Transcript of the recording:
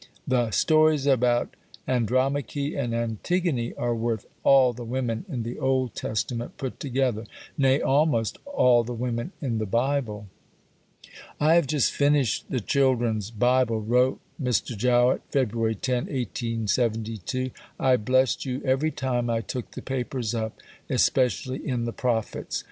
The stories about Andromache and Antigone are worth all the women in the Old Testament put together; nay, almost all the women in the Bible. "I have just finished the Children's Bible," wrote Mr. Jowett (Feb. 10, 1872). "I blessed you every time I took the papers up, especially in the Prophets.